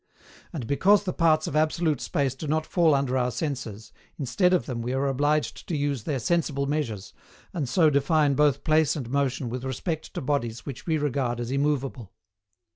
And, because the parts of absolute space do not fall under our senses, instead of them we are obliged to use their sensible measures, and so define both place and motion with respect to bodies which we regard as immovable.